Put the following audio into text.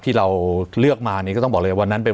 ที่เราเลือกมานี่ก็ต้องบอกเลยวันนั้นเป็น